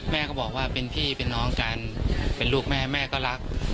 แม่ก็บอกว่าเป็นพี่เป็นน้องกันเป็นลูกแม่แม่ก็รัก